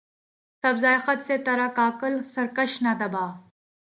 سبزۂ خط سے ترا کاکل سرکش نہ دبا